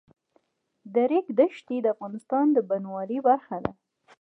د ریګ دښتې د افغانستان د بڼوالۍ برخه ده.